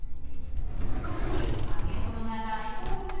特に揚げ物が大好物でした